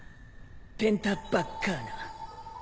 ペンタバッカーナ。